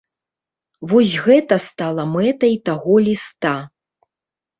Вось гэта стала мэтай таго ліста.